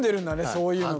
そういうのが。